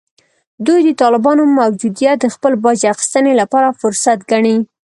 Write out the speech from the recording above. دوی د طالبانو موجودیت د خپل باج اخیستنې لپاره فرصت ګڼي